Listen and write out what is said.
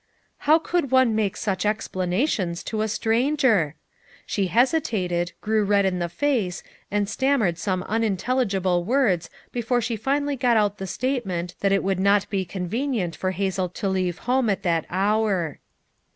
How could one make such explanations to a stranger? She hesitated, grew red in the face and stammered some unintelligible words before she finally got out the statement that it would not be convenient for Hazel to leave home at that hour.